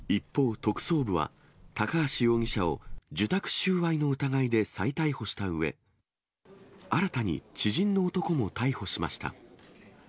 一方、特捜部は、高橋容疑者を受託収賄の疑いで再逮捕したうえ、新たに知人の男も逮捕しました。